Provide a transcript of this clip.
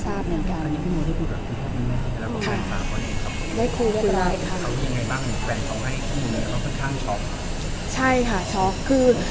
ช่างออกจากแยกลง